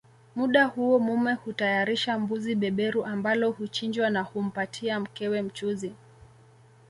Muda huo mume hutayarisha mbuzi beberu ambalo huchinjwa na humpatia mkewe mchuzi